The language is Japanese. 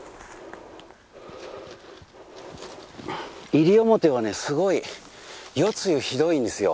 西表はねすごい夜露ひどいんですよ。